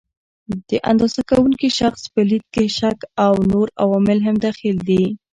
د اندازه کوونکي شخص په لید کې شک او نور عوامل هم دخیل دي.